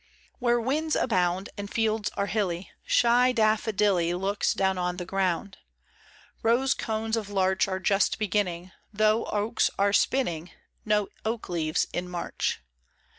WHERE winds abound, And fields are hilly, Shy daffadilly Looks down on the ground. Rose cones of larch Are just beginning ; Though oaks are spinning No oak leaves in March.